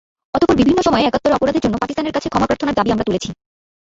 তারপর বিভিন্ন সময়ে একাত্তরে অপরাধের জন্য পাকিস্তানের কাছে ক্ষমাপ্রার্থনার দাবি আমরা তুলেছি।